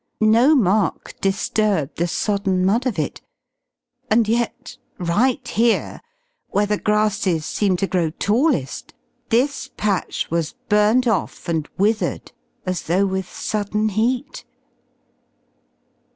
No mark disturbed the sodden mud of it. And yet right here, where the grasses seemed to grow tallest, this patch was burnt off and withered as though with sudden heat.